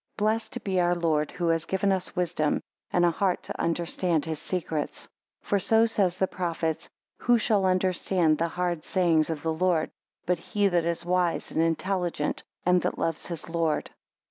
Blessed be our Lord, who has given us wisdom, and a heart to understand his secrets. For so says the prophet, "Who shall understand the hard sayings of the Lord? But he that is wise, and intelligent, and that loves his Lord."